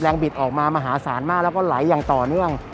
บิดออกมามหาศาลมากแล้วก็ไหลอย่างต่อเนื่อง